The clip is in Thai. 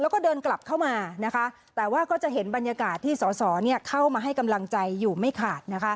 แล้วก็เดินกลับเข้ามานะคะแต่ว่าก็จะเห็นบรรยากาศที่สอสอเข้ามาให้กำลังใจอยู่ไม่ขาด